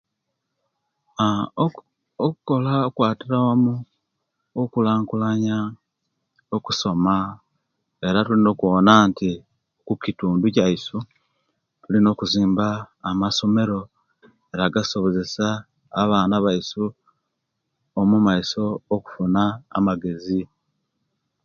Aaa okola okukwatira wamu okulankulanya okusoma era tulina okuwona nti kukitundu kiyaisu tulina okuzimba amasomero agasobozesia abaana baisu omaiso okufuna amagezi